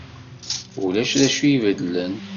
Ulac d acu i ibeddlen.